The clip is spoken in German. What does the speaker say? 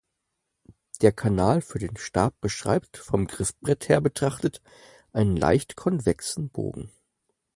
Der Kanal für den Stab beschreibt, vom Griffbrett her betrachtet, einen leicht konvexen Bogen.